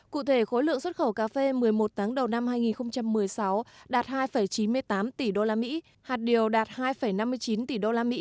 cụ thể khối lượng xuất khẩu cà phê một mươi một tháng đầu năm hai nghìn một mươi sáu đạt hai chín mươi tám tỷ usd hạt điều đạt hai năm mươi chín tỷ usd